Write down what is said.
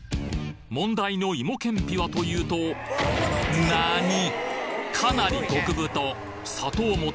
問題の芋けんぴはというとなに！？